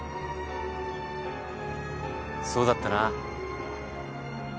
そうだったな。